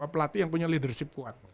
pelatih yang punya leadership kuat